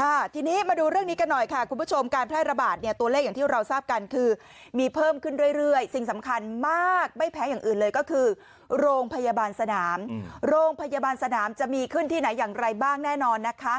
ค่ะทีนี้มาดูเรื่องนี้กันหน่อยค่ะคุณผู้ชมการแพร่ระบาดเนี่ยตัวเลขอย่างที่เราทราบกันคือมีเพิ่มขึ้นเรื่อยสิ่งสำคัญมากไม่แพ้อย่างอื่นเลยก็คือโรงพยาบาลสนามโรงพยาบาลสนามจะมีขึ้นที่ไหนอย่างไรบ้างแน่นอนนะคะ